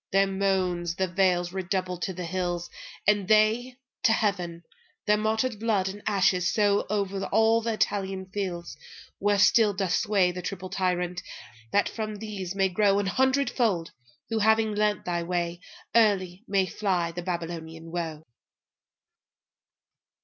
Their moansThe vales redoubled to the hills, and theyTo heaven. Their martyred blood and ashes sowO'er all the Italian fields, where still doth swayThe triple Tyrant; that from these may growA hundredfold, who, having learnt thy way, Early may fly the Babylonian woe.